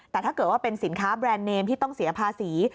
แต่ถ้าเกิดว่าเป็นสินค้าแบรนด์เนมที่ต้องเสียภาษี